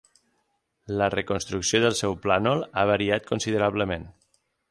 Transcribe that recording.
La reconstrucció del seu plànol ha variat considerablement.